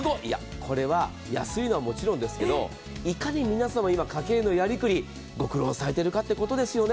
これは安いのはもちろんですけれども、いかに皆さん家計のやりくり、ご苦労されてるかということですよね。